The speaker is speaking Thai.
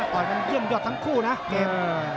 ต่อยกันเยี่ยมยอดทั้งคู่นะเกม